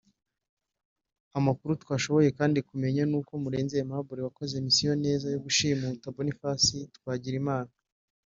Amakuru twashoboye kandi kumenya n’uko Murenzi Aimable wakoze mission neza yo gushimuta Boniface Twagirimana